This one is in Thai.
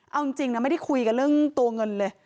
เอาจริงนะไม่ได้คุยกันเรื่องตัวเงินเลย